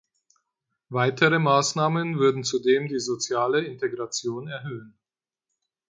Weitere Maßnahmen würden zudem die soziale Integration erhöhen.